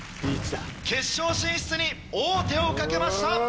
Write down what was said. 決勝進出に大手をかけました！